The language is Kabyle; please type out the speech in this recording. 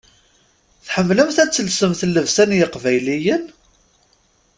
Tḥemmlemt ad telsemt llebsa n yeqbayliyen?